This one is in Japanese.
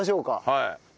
はい。